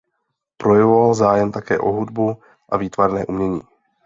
Projevoval zájem také o hudbu a výtvarné umění.